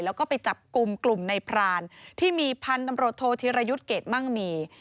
แล้วก็ไปจับกลุ่มกลุ่มในพรานที่มีพันธุ์ตำรวจโทษธิรยุทธ์เกรดมั่งมี